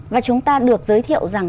và chúng ta được giới thiệu rằng